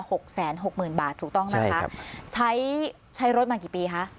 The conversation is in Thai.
หกแสนหกหมื่นบาทถูกต้องนะคะใช้ใช้รถมากี่ปีคะ